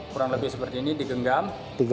kurang lebih seperti ini digenggam